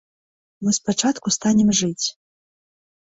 Мы спачатку станем жыць.